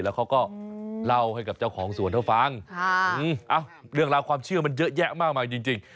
แล้วเขาก็เล่าให้กับเจ้าของสวนเขาฟังเรื่องราวความเชื่อมันเยอะแยะมากมายจริง